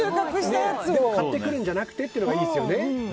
買ってくるんじゃなくてっていうのがいいですよね。